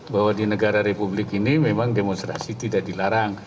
bahwa di negara republik ini memang demonstrasi tidak dilarang